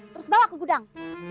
terus bawa ke gudang